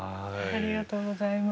ありがとうございます。